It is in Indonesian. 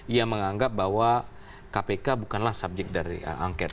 ia menganggap bahwa kpk bukanlah subjek dari angket